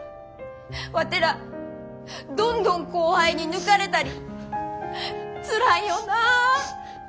ワテらどんどん後輩に抜かれたりつらいよなあ。